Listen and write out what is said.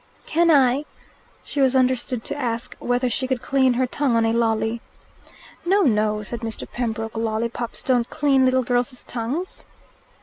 "Can I " She was understood to ask whether she could clean her tongue on a lollie. "No, no!" said Mr. Pembroke. "Lollipops don't clean little girls' tongues."